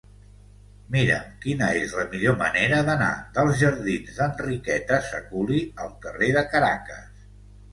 Mira'm quina és la millor manera d'anar dels jardins d'Enriqueta Sèculi al carrer de Caracas.